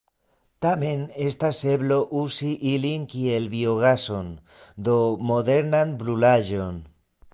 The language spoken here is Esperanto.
Tamen estas eblo uzi ilin kiel biogason, do modernan brulaĵon.